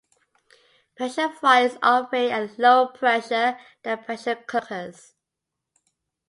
Pressure fryers operate at a lower pressure than pressure cookers.